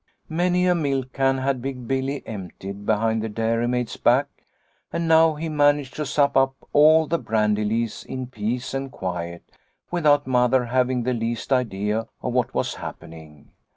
Many a milk can had Big Billy emptied behind the dairymaid's back, and now he managed to sup up all the brandy lees in peace and quiet without Mother having the least idea of what was happening.